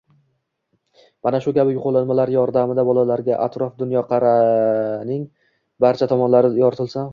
mana shu kabi qo‘llanmalar yordamida bolalarga atrof-dunyoning barcha tomonlari yoritilsa